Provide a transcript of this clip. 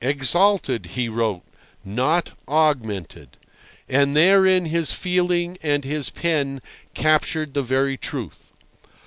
"Exalted," he wrote, not "augmented." And therein his feeling and his pen captured the very truth.